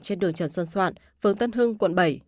trên đường trần xuân soạn phường tân hưng quận bảy